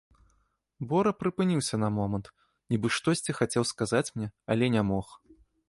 Бора прыпыніўся на момант, нібы штосьці хацеў сказаць мне, але не мог.